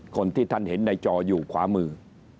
คนที่ท่านเห็นในจออยู่ขวามือ